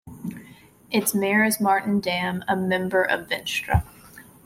Its mayor is Martin Damm, a member of Venstre.